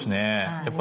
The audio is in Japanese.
やっぱり。